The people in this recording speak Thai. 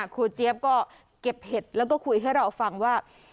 เจี๊ยบก็เก็บเห็ดแล้วก็คุยให้เราฟังว่า